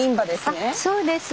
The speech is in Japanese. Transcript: あそうです。